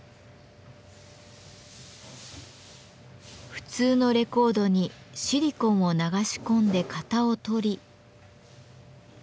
普通のレコードにシリコンを流し込んで型を取り。